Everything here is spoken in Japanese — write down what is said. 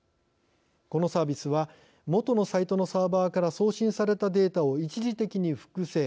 このサービスは元のサイトのサーバーから送信されたデータを一時的に複製。